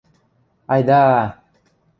– Айда-а-а!..